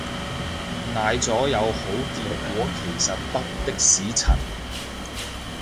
奶咗有好結果其實得的士陳